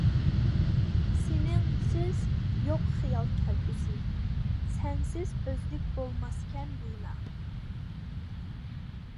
سېنىڭسىز يوق خىيال كەلگۈسى، سەنسىز ئۆزلۈك بولماسكەن بىنا.